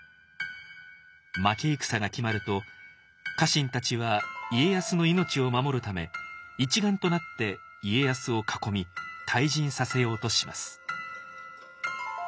負け戦が決まると家臣たちは家康の命を守るため一丸となって家康を囲み退陣させようとします。